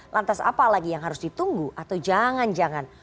lantas apa lagi yang harus ditunggu atau jangan jangan